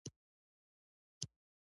که دي دېغت وکئ ماضي ټوخه.